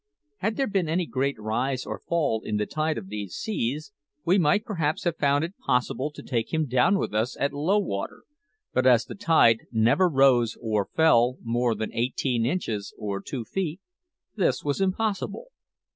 Had there been any great rise or fall in the tide of these seas, we might perhaps have found it possible to take him down with us at low water; but as the tide never rose or fell more than eighteen inches or two feet, this was impossible.